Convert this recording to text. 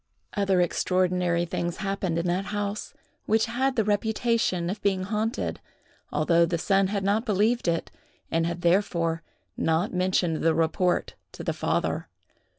Other extraordinary things happened in that house, which had the reputation of being haunted, although the son had not believed it, and had therefore not mentioned the report to the father.